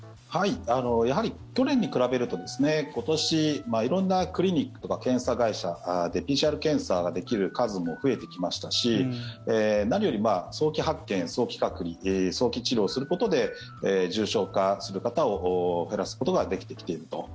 やはり去年に比べると今年、色んなクリニックとか検査会社でＰＣＲ検査ができる数も増えてきましたし何より早期発見、早期隔離早期治療することで重症化する方を減らすことができてきていると。